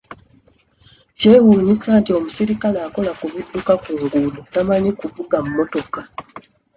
Kyewuunyisa nti omuserikale akola ku bidduka ku nguudo tamanyi kuvuga mmotoka!